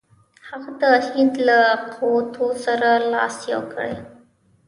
هغه د هند له قوتونو سره لاس یو کړي.